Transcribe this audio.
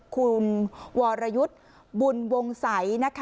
คุณวรยุทธ์บุญวงศัยนะคะ